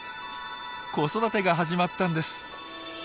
子育てが始まったんです。